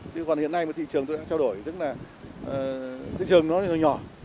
nhưng còn hiện nay mà thị trường tôi đã trao đổi tức là thị trường nó nhỏ